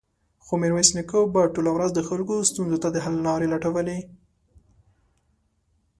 خو ميرويس نيکه به ټوله ورځ د خلکو ستونزو ته د حل لارې لټولې.